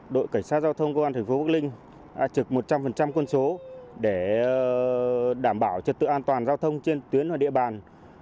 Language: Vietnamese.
đội cảnh sát giao thông công an thành phố bắc linh trực một trăm linh quân số để đảm bảo trật tự an toàn giao thông trên tuyến và địa bàn